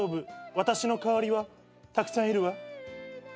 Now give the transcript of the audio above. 私の代わりはたくさんいるわ。